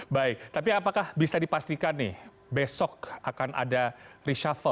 baik tapi apakah bisa dipastikan nih besok akan ada reshuffle